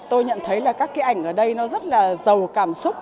tôi nhận thấy là các cái ảnh ở đây nó rất là giàu cảm xúc